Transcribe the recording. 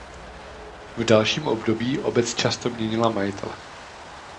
V dalším období obec často měnila majitele.